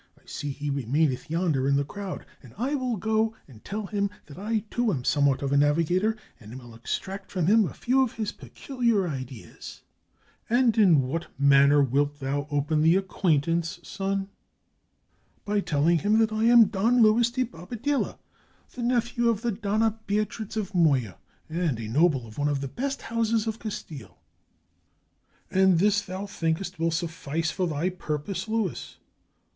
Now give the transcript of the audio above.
I see he remaineth yonder in the crowd, and I will go and tell him that I, too, am somewhat of a navigator, and will extract from him a few of his peculiar ideas." "And in what manner wilt thou open the acquaint ance, son?" "By telling him that I am Don Luis de Bobadilla, the nephew of the Dona Beatriz of Moya, and a noble of one of the best houses of Castile." "And this, thou thinkest, will suffice for thy purpose, Luis!"